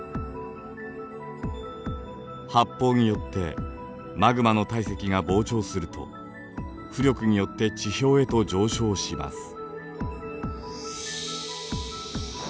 発泡によってマグマの体積が膨張すると浮力によって地表へと上昇します。